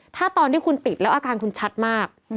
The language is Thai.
ถ้าตอนที่คุณติดแล้วอาการคุณชัดมาก